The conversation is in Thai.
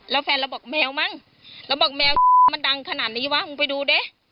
แล้วแฟนเราบอกแมวมั้งเราบอกแมวมันดังขนาดนี้วะมึงไปดูดิ